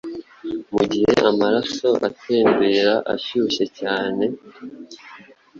Mugihe amaraso atembera ashyushye cyane